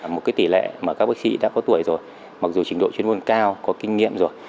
một cái tỷ lệ mà các bác sĩ đã có tuổi rồi mặc dù trình độ chuyên môn cao có kinh nghiệm rồi